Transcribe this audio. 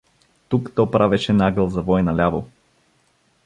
Тук то правеше нагъл завой наляво.